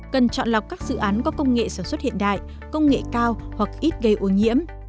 cần chọn lọc các dự án có công nghệ sản xuất hiện đại công nghệ cao hoặc ít gây ô nhiễm